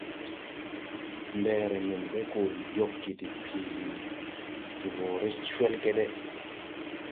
Mbɛɛrɛ nen ɓɛ gɔ yɔgge de piiri de wɔɔrɛ cwɛlgɛdɛ.